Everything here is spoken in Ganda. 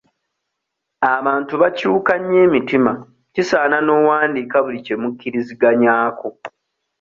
Abantu bakyuka nnyo emitima kisaaana n'owandiika buli kye mukkiriziganyaako.